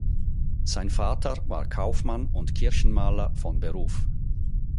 Sein Vater war Kaufmann und Kirchenmaler von Beruf.